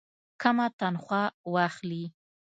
کمه تنخواه واخلي.